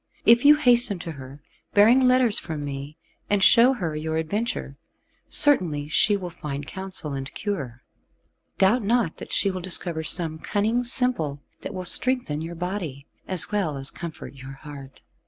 If you hasten to her, bearing letters from me, and show her your adventure, certainly she will find counsel and cure. Doubt not that she will discover some cunning simple, that will strengthen your body, as well as comfort your heart.